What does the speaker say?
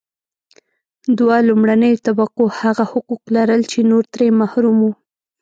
دوه لومړنیو طبقو هغه حقوق لرل چې نور ترې محروم وو.